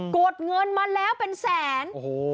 กดเงินมาแล้วเป็นแสน